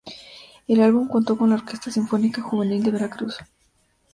El álbum contó con la "Orquesta Sinfónica Juvenil de Veracruz".